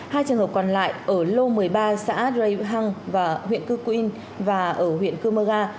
hai trường hợp còn lại ở lô một mươi ba xã rê hăng huyện cư quyên và huyện cư mơ gan